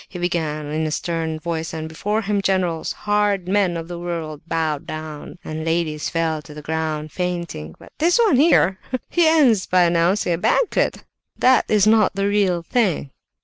He began in a stern voice, and before him generals, hard men of the world, bowed down, and ladies fell to the ground fainting. But this one here—he ends by announcing a banquet! That is not the real thing!"